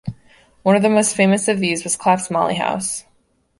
One of the most famous of these was Clap's molly house.